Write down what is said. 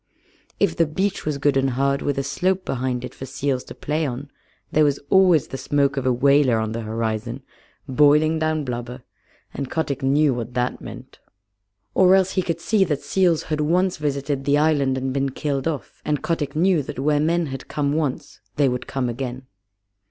If the beach was good and hard, with a slope behind it for seals to play on, there was always the smoke of a whaler on the horizon, boiling down blubber, and Kotick knew what that meant. Or else he could see that seals had once visited the island and been killed off, and Kotick knew that where men had come once they would come again.